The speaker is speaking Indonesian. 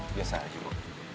biasa aja bu